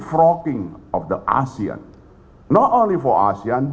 diperlukan asian bukan hanya untuk asian